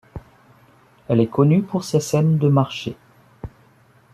Elle est connue pour ses scènes de marché.